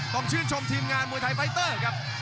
ต้องชื่นชมทีมงานมวยไทยไฟเตอร์ครับ